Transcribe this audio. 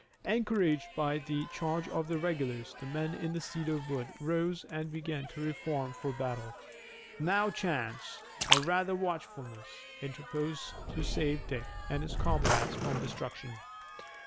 Encouraged by the charge of the regulars, the men in the cedar wood rose and began to reform for battle. Now chance, or rather watchfulness, interposed to save Dick and his comrades from destruction.